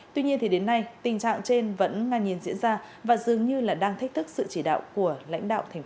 tuy nhiên thì đến nay tình trạng trên vẫn ngang nhiên diễn ra và dường như là đang thách thức sự chỉ đạo của lãnh đạo tp hà nội